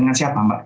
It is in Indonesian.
dengan siapa mbak